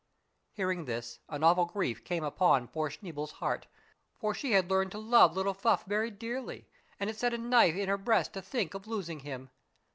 Hearing this, an awful grief came upon poor Schneeboule's heart, for she had learned to love little Fuff very dearly, and it set a knife in her breast to think of losing him.